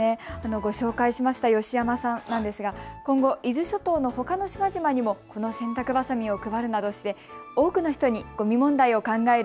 ご紹介しました吉山さんなんですが今後、伊豆諸島のほかの島々にもこの洗濯ばさみを配るなどして多くの人にごみ問題を考える